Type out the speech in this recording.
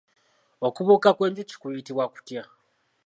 Okubuuka kw'enjuki kuyitibwa kutya?